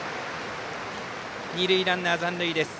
二塁ランナー残塁です。